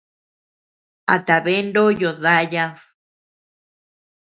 ¿A tabea ndoyo dayad?